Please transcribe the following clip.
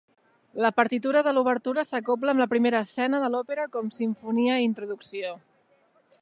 La partitura de l'obertura s'acobla amb la primera escena de l'òpera com Simfonia i Introducció.